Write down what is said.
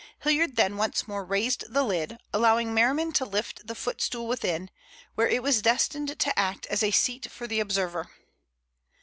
Hilliard then once more raised the lid, allowing Merriman to lift the footstool within, where it was destined to act as a seat for the observer.